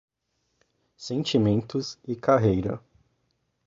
Sentimentos e carreira